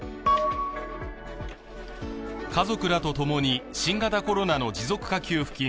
家族らとともに新型コロナの持続化給付金